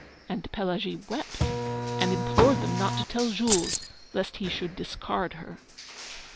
And Pelagie wept, and implored them not to tell Jules, lest he should discard her.'